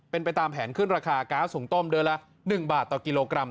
เป็นไปตามแผนขึ้นราคาก๊าซสูงต้มเดือนละ๑บาทต่อกิโลกรัม